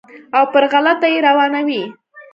او پر غلطه یې روانوي.